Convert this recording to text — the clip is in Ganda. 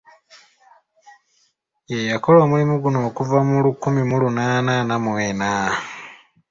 Ye yakola omulimu guno okuva mu lukumi mu lunaana ana mu ena.